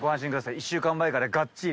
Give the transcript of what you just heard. １週間前からガッチリ。